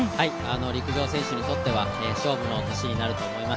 陸上選手にとっては勝負の年になると思います。